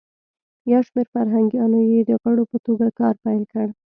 یو شمیر فرهنګیانو یی د غړو په توګه کار پیل کړ.